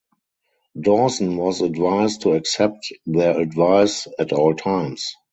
Dawson was advised to accept their advice at all times.